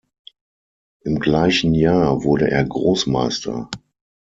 Im gleichen Jahr wurde er Großmeister.